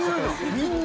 みんな。